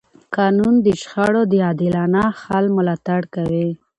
قانون د شخړو د عادلانه حل ملاتړ کوي.